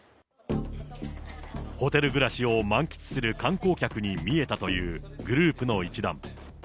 ホテル暮らしを満喫する観光客に見えたというグループの一団。